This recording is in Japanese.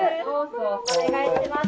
お願いします。